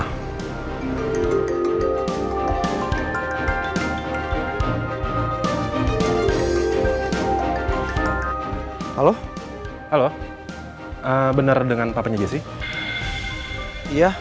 halo halo benar dengan papanya jessie